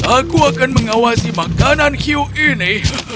aku akan mengawasi makanan hiu ini